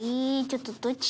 ちょっと！